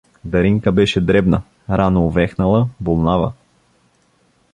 Даринка беше дребна, рано увехнала, болнава.